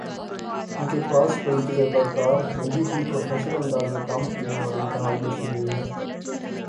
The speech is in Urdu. ان کے پاس بڑی تجربہ کار، منجھی ہوئی، پروفیشنل انداز میں کام کرنے والی انتخابی مشینری ہے۔